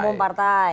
ketua umum partai